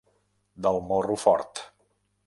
Del morro fort.